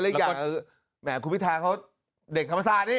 อีกอย่างคือแหมคุณพิธาเขาเด็กธรรมศาสตร์นี่